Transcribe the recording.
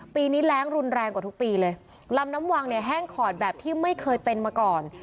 ปีนี้แรงรุนแรงกว่าทุกปีเลยลำน้ำวังเนี่ยแห้งขอดแบบที่ไม่เคยเป็นมาก่อน